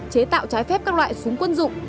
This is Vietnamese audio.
chế tạo trái phép các loại súng quân dụng